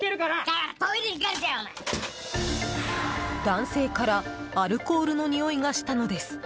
男性からアルコールのにおいがしたのです。